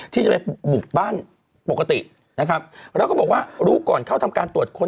ที่จะไปบุกบ้านปกตินะครับแล้วก็บอกว่ารู้ก่อนเข้าทำการตรวจค้น